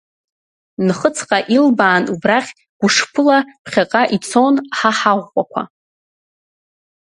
Нхыҵҟа илбаан убрахь гәышԥыла ԥхьаҟа ицон ҳа ҳаӷәӷәақәа!